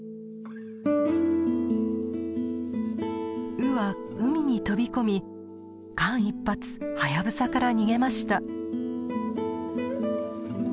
ウは海に飛び込み間一髪ハヤブサから逃げました。